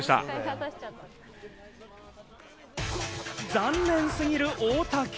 残念すぎる大竹。